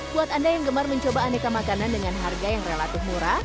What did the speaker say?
buat anda yang gemar mencoba aneka makanan dengan harga yang relatif murah